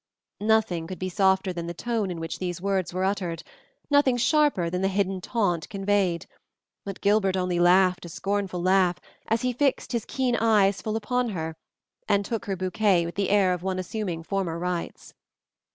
Nothing could be softer than the tone in which these words were uttered, nothing sharper than the hidden taunt conveyed, but Gilbert only laughed a scornful laugh as he fixed his keen eyes full upon her and took her bouquet with the air of one assuming former rights.